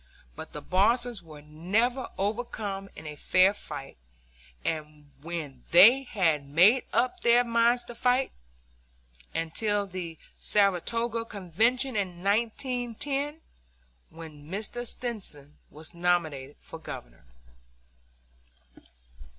But the bosses were never overcome in a fair fight, when they had made up their minds to fight, until the Saratoga Convention in 1910, when Mr. Stimson was nominated for Governor.